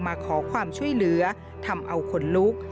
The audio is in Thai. มาขอความช่วยเหลือทำเอาขนลุก